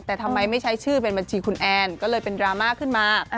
แต่ทำไมไม่ใช้ชื่อเป็นบัญชีคุณแอนก็เลยเป็นดราม่าขึ้นมา